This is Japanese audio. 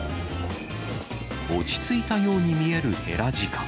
落ち着いたように見えるヘラジカ。